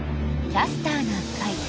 「キャスターな会」。